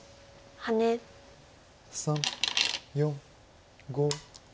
３４５。